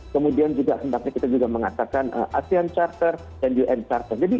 kemudian juga kita mengatakan asean charter dan un charter